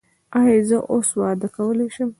ایا زه اوس واده کولی شم؟